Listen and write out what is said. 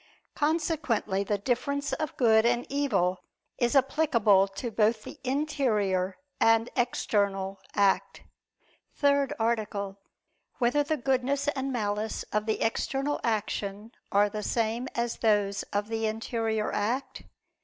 Consequently the difference of good and evil is applicable to both the interior and external act. ________________________ THIRD ARTICLE [I II, Q. 20, Art. 3] Whether the Goodness and Malice of the External Action Are the Same As Those of the Interior Act?